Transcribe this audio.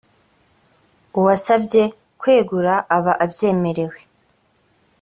uwasabye kwegura aba abyemerewe